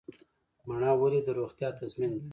مڼه ولې د روغتیا تضمین ده؟